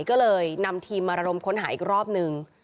ก็เลยนำทีมมาระดมค้นหาอีกรอบนึง